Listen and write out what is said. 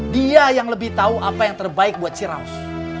dia yang lebih tahu apa yang terbaik buat ciraus